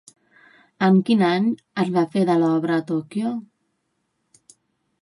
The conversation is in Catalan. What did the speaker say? En quin any es va fer de l'obra a Tòquio?